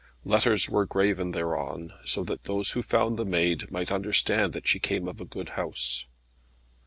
Letters were graven thereon, so that those who found the maid might understand that she came of a good house.